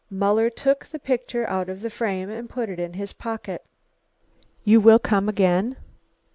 Muller took the picture out of the frame and put it in his pocket. "You will come again?